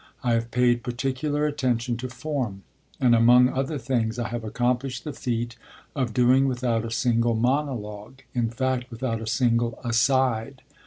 I have paid particular attention to form, and, among other things, I have accomplished the feat of doing without a single monologue, in fact without a single "aside."